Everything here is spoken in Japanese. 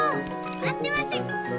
待って待て。